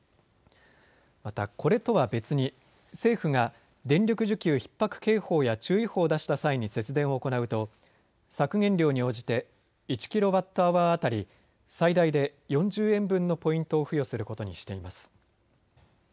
また、これとは別に政府が電力需給ひっ迫警報や注意報を出した際に節電を行うと削減量に応じて１キロワットアワー当たり最大で４０円分のポイントを付与することにしています。